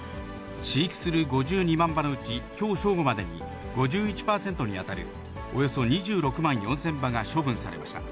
飼育する５２万羽のうち、きょう正午までに５１％に当たるおよそ２６万４０００羽が処分されました。